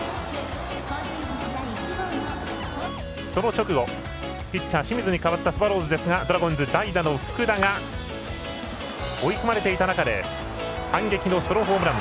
その直後ピッチャー清水にかわったスワローズですがドラゴンズ、代打の福田が追い込まれていた中で反撃のソロホームラン。